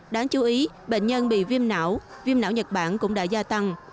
đáng chú ý bệnh nhân bị viêm não viêm não nhật bản cũng đã gia tăng